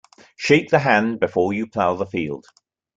Shake the hand before you plough the field.